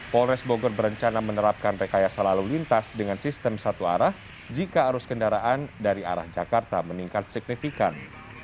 polres bogor berencana menerapkan rekayasa lalu lintas dengan sistem satu arah jika arus kendaraan dari arah jakarta meningkat signifikan